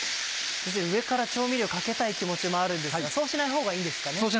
上から調味料をかけたい気持ちもあるんですがそうしないほうがいいですかね？